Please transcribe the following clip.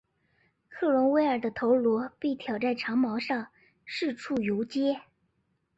克伦威尔的头颅被挑在长矛上四处游街。